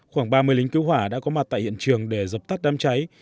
khoảng ba mươi lính cứu hỏa đã có mặt tại hiện trường để dập tắt đám cháy